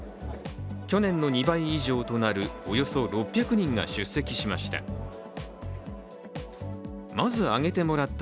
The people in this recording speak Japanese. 去年の２倍以上となるおよそ６００人が出席しました。